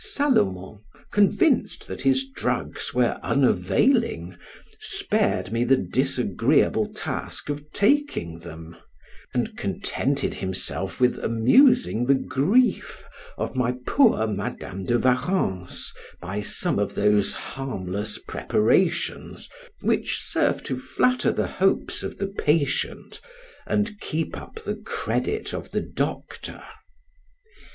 Salomon, convinced that his drugs were unavailing, spared me the disagreeable task of taking them, and contented himself with amusing the grief of my poor Madam de Warrens by some of those harmless preparations, which serve to flatter the hopes of the patient and keep up the credit of the doctor.